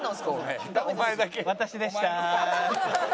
「私でした」。